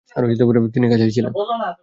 তিনি কাছেই ছিলেন।